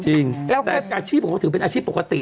จริงแต่อาชีพเขาถือเป็นอาชีพปกติ